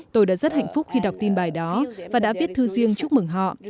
tôi đã rất hạnh phúc khi đọc tin bài đó và đã viết thư riêng chúc mừng họ